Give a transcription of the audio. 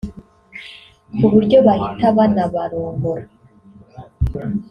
ku buryo bahita banabarongora